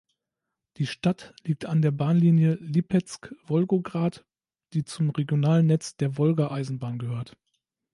Die Stadt liegt an der Bahnlinie Lipezk–Wolgograd, die zum regionalen Netz der Wolga-Eisenbahn gehört.